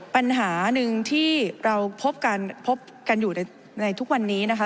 ปัญหาหนึ่งที่เราพบกันพบกันอยู่ในทุกวันนี้นะคะ